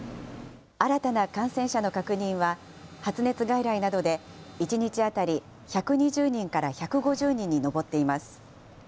新たな感染者の確認は、発熱外来などで１日当たり１２０人から１５０人に上っています。